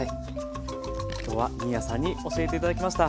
今日は新谷さんに教えて頂きました。